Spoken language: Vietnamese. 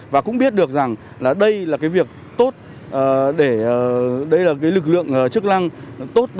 và cũng biết được rằng đây là lực lượng chức lăng tốt